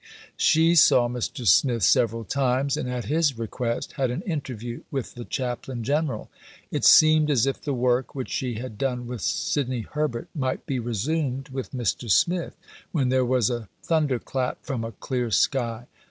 She saw Mr. Smith several times, and at his request had an interview with the Chaplain General. It seemed as if the work, which she had done with Sidney Herbert, might be resumed with Mr. Smith, when there was a thunder clap from a clear sky.